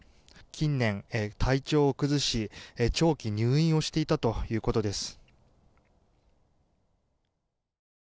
近年、体調を崩し長期入院をしていたということです。